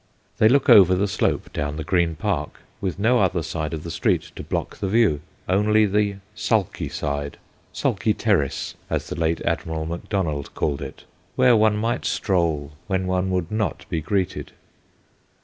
They look over the slope down the Green Park, with no other side of the street to block the view, only the ' sulky side '' Sulky Terrace ' as the late Admiral Macdonald called it where one might stroll when one would not be greeted.